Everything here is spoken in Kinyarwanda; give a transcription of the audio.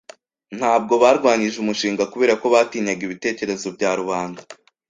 Ntabwo barwanyije umushinga kubera ko batinyaga ibitekerezo bya rubanda.